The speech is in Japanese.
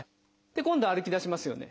今度は歩き出しますよね。